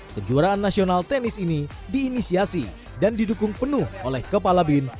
kejuaraan nasional tenis ini diinisiasi dan didukung penuh oleh kepala bin